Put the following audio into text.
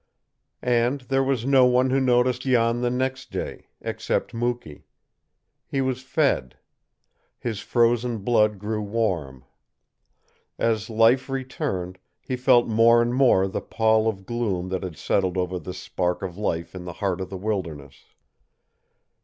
And there was no one who noticed Jan the next day except Mukee. He was fed. His frozen blood grew warm. As life returned, he felt more and more the pall of gloom that had settled over this spark of life in the heart of the wilderness.